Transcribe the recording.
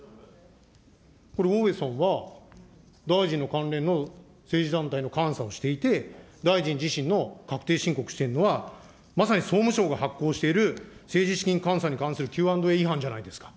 これ大上さんは大臣の関連の政治団体の監査をしていて、大臣自身の確定申告しているのは、まさに総務省が発行している政治資金監査に関するＱ＆Ａ違反じゃないですか。